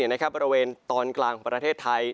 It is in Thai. ในบริเวณตอนกลางประเทศไทย